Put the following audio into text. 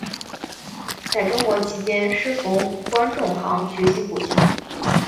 在中国期间师从关仲航学习古琴。